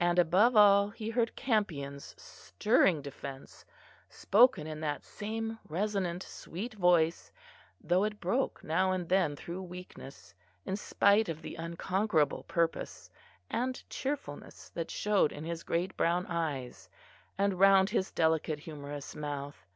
And, above all, he heard Campion's stirring defence, spoken in that same resonant sweet voice, though it broke now and then through weakness, in spite of the unconquerable purpose and cheerfulness that showed in his great brown eyes, and round his delicate humorous mouth.